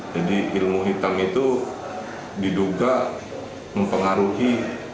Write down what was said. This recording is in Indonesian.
jadi ilmu hitam itu diduga mempengaruhi